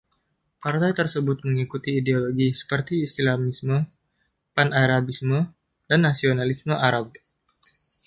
Partai tersebut mengikuti ideologi seperti Islamisme, Pan-Arabisme, dan nasionalisme Arab.